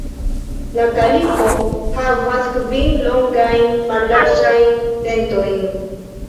La kaliko havas kvin longajn mallarĝajn "dentojn".